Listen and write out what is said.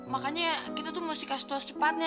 makanya kita tuh mesti kasih tahu secepatnya